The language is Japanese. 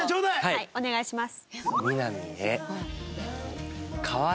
はいお願いします。